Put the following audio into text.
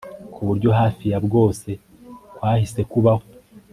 kuburyo hafi ya bwose kwahise kubaho